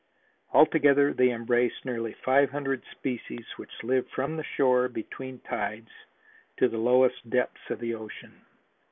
Altogether they embrace nearly five hundred species which live from the shore between tides to the lowest depths of the ocean.